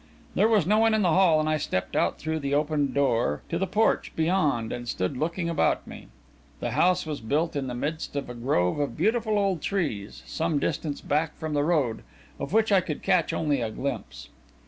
There was no one in the hall, and I stepped out through the open door to the porch beyond, and stood looking about me. The house was built in the midst of a grove of beautiful old trees, some distance back from the road, of which I could catch only a glimpse.